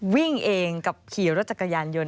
วิ่งเองกับขี่รถจักรยานยนต